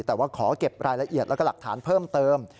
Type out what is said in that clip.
แต่ว่าขอเก็บรายละเอียดแล้วก็หลักฐานเพิ่มเติม